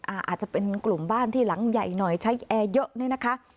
อาจจะเป็นกลุ่มบ้านที่หลังใหญ่หน่อยใช้แอร์เยอะเนี่ยนะคะ